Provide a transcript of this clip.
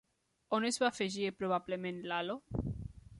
On es va afegir probablement l'halo?